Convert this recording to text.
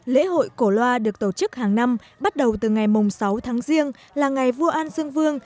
lễ hội cổ loa được tổ chức hàng năm bắt đầu từ ngày sáu tháng riêng là ngày vua an dương vương